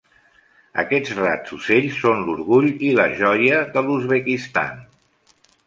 Aquests rats ocells són l'orgull i la joia de l'Uzbekistan.